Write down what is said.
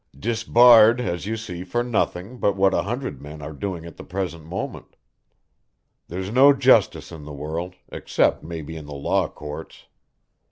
"Disbarred, as you see, for nothing, but what a hundred men are doing at the present moment. There's no justice in the world, except maybe in the Law Courts.